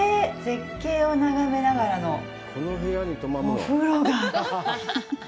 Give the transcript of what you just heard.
絶景を眺めながらのお風呂が。